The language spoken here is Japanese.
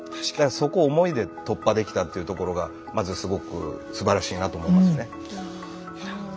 そこを思いで突破できたっていうところがまずすごくすばらしいなと思いますね。